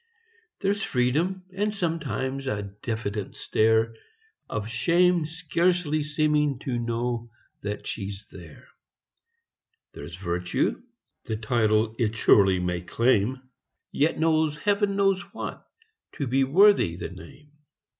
There's freedom, and sometimes a diffident stare Of shame scarcely seeming to know that she's there, There's virtue, the title it surely may claim, Yet wants heaven knows what to be worthy the name.